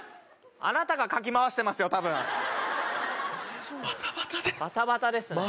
あなたがかき回してますよ多分バタバタでバタバタですね